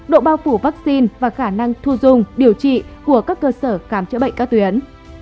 độ bao phủ vaccine và khả năng thu dung điều trị của các cơ sở khám chữa bệnh các tuyến